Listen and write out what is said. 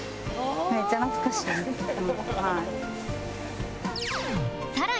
めっちゃ懐かしいね。